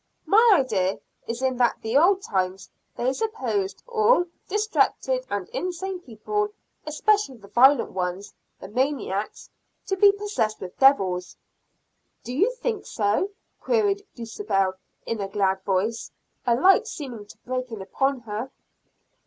"My idea is that in the old times they supposed all distracted and insane people especially the violent ones, the maniacs to be possessed with devils." "Do you think so?" queried Dulcibel in a glad voice, a light seeming to break in upon her.